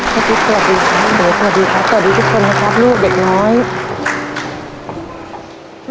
ตุ๊กสวัสดีครับโบ๋สวัสดีครับสวัสดีทุกคนนะครับลูกเด็กน้อย